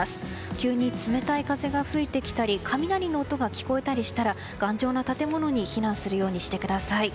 急に冷たい風が吹いてきたり雷の音が聞こえたりしたら頑丈な建物に避難するようにしてください。